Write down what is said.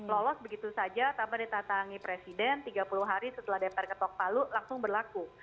lolos begitu saja tanpa ditatangi presiden tiga puluh hari setelah dpr ketok palu langsung berlaku